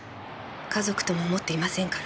家族とも思っていませんから。